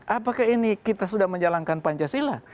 apakah ini kita sudah menjalankan pancasila